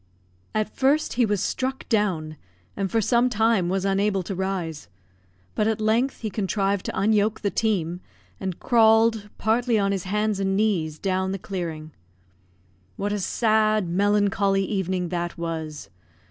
At first he was struck down, and for some time was unable to rise; but at length he contrived to unyoke the team, and crawled partly on his hands and knees down the clearing. What a sad, melancholy evening that was!